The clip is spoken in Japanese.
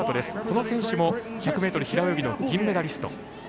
この選手も１００ｍ平泳ぎの銀メダリスト。